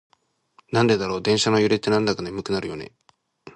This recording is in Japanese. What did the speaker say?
なんでだろう、電車の揺れってなんだか眠くなるよね。